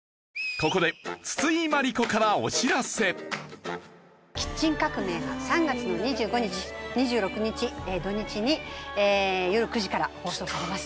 ここで『キッチン革命』が３月の２５日２６日土日による９時から放送されます。